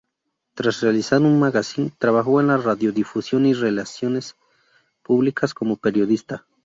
Tras realizar un magazine, trabajó en la radiodifusión y relaciones públicas como periodista.